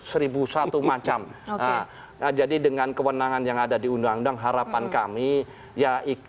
seribu satu macam jadi dengan kewenangan yang ada di undang undang harapan kami ya